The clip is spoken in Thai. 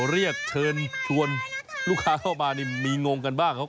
เรียกเชิญชวนลูกค้าเข้ามานี่มีงงกันบ้างครับ